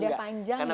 karena panjang gitu ya